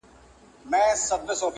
شتُرمرغ ویله زه ستاسي پاچا یم-